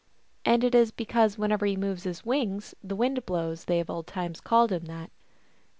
And it is because whenever he moves his wings the wind blows they of old times called him that.